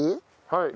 はい。